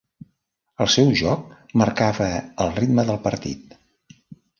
El seu joc marcava el ritme del partit.